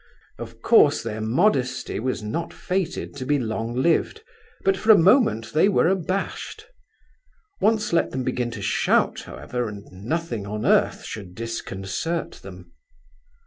Of course their modesty was not fated to be long lived, but for a moment they were abashed. Once let them begin to shout, however, and nothing on earth should disconcert them.